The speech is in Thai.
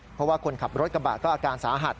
เพราะว่าคนขับรถกระบะก็อาการสาหัส